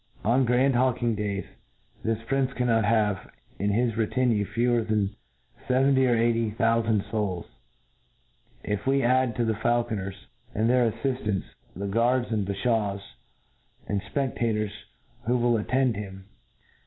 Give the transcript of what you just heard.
On grand hawldng days, this prince cannot have in his retinue fewer than feventy or eighty tboufand , fouls, if we add to the faulconers and their aiTiftants, the guards, and bafhaws, and fpec tator§ who will attend him.